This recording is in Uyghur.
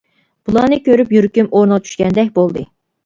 بۇلارنى كۆرۈپ يۈرىكىم ئورنىغا چۈشكەندەك بولدى.